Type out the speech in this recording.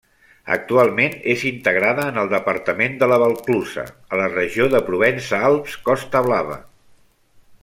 Actualment és integrada en el departament de la Valclusa, a la regió de Provença-Alps-Costa Blava.